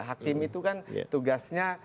hakim itu kan tugasnya